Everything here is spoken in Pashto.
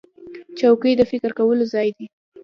چوکۍ د فکر کولو ځای دی.